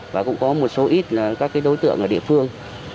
và cũng có một số ít các đối tượng ở địa phương